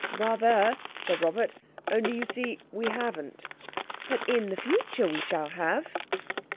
"Rather!" said Robert. "Only, you see we haven't." "But in the future we shall have."